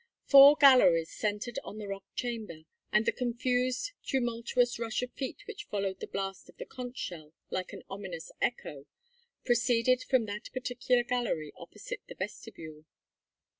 Four galleries centred on the rock chamber, and the confused, tumultuous rush of feet which followed the blast of the conch shell like an ominous echo, proceeded from that particular gallery opposite the vestibule.